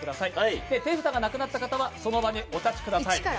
手札がなくなった方は、その場にお立ちください。